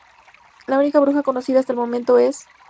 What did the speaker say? La única Bruja conocida hasta el momento es Mei Kawakami.